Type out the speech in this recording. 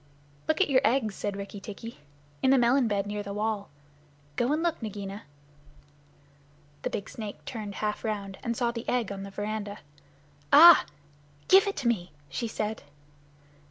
"Look at your eggs," said Rikki tikki, "in the melon bed near the wall. Go and look, Nagaina!" The big snake turned half around, and saw the egg on the veranda. "Ah h! Give it to me," she said.